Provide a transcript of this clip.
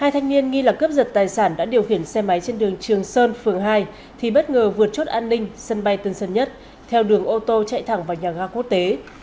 hai thanh niên nghi là cướp giật tài sản đã điều khiển xe máy trên đường trường sơn phường hai thì bất ngờ vượt chốt an ninh sân bay tân sơn nhất theo đường ô tô chạy thẳng vào nhà ga quốc tế